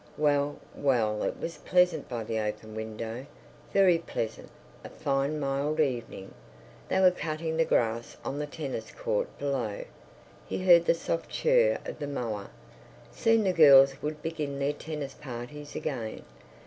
Well, well! It was pleasant by the open window, very pleasant—a fine mild evening. They were cutting the grass on the tennis court below; he heard the soft churr of the mower. Soon the girls would begin their tennis parties again.